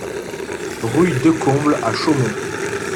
Rue Decomble à Chaumont